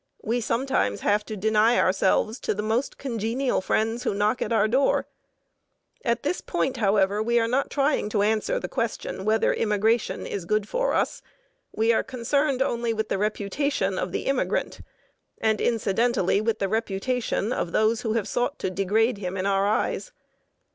We sometimes have to deny ourselves to the most congenial friends who knock at our door. At this point, however, we are not trying to answer the question whether immigration is good for us. We are concerned only with the reputation of the immigrant and incidentally with the reputation of those who have sought to degrade him in our eyes.